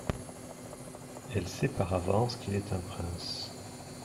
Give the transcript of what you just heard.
Elle sait par avance qu'il est un prince.